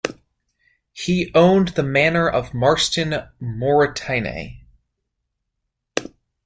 He owned the manor of Marston Moreteyne.